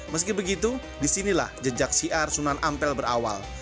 meski begitu disinilah jejak syiar sunan ampel berawal